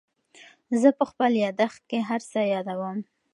زه په خپل یادښت کې هر څه یادوم.